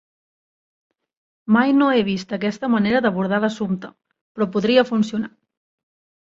Mai no he vist aquesta manera d'abordar l'assumpte, però podria funcionar.